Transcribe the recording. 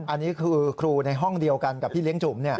อันนี้คือครูในห้องเดียวกันกับพี่เลี้ยงจุ๋ม